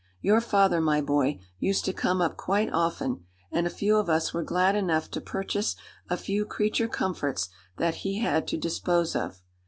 Your father, my boy, used to come up quite often; and a few of us were glad enough to purchase a few creature comforts that he had to dispose of.